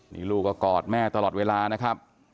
นี่ลูกก็กอดแม่ตลอดเวลานะครับ